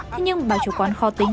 thế nhưng bà chủ quán kho tính